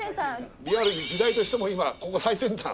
リアルに時代としても今ここが最先端？